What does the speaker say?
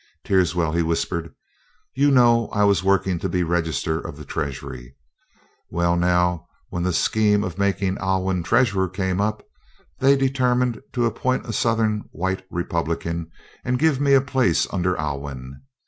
"Teerswell," he whispered, "you know I was working to be Register of the Treasury. Well, now, when the scheme of making Alwyn Treasurer came up they determined to appoint a Southern white Republican and give me a place under Alwyn.